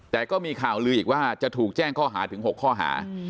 แต่ก็มีข่าวลืออีกว่าจะถูกแจ้งข้อหาถึง๖ข้อหา